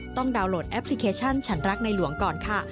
ดาวน์โหลดแอปพลิเคชันฉันรักในหลวงก่อนค่ะ